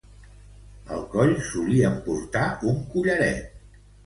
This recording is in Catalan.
Al coll solien portar un collaret.